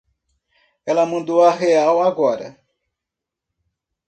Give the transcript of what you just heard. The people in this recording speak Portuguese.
Ela mandou a real, agora.